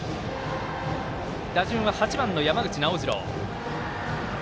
打順は８番の山口直次郎。